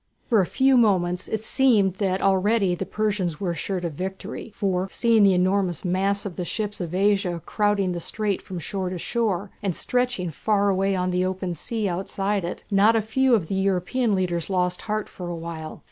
For a few moments it seemed that already the Persians were assured of victory, for, seeing the enormous mass of the ships of Asia crowding the strait from shore to shore, and stretching far away on the open sea outside it, not a few of the European leaders lost heart for a while.